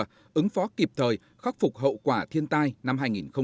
và ứng phó kịp thời khắc phục hậu quả thiên tai năm hai nghìn một mươi chín